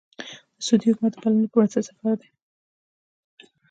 د سعودي حکومت د بلنې پر بنسټ سفر دی.